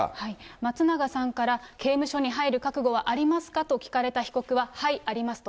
松永さんから、刑務所に入る覚悟はありますかと聞かれた被告は、はい、ありますと。